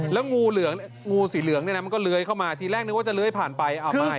แล้วงูสีเหลืองมันก็เล้ยเข้ามาทีแรกนึกว่าจะเล้ยผ่านไปอ้าวไม่